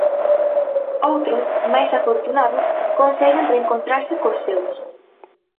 Outros, máis afortunados conseguen reencontrarse cos seus.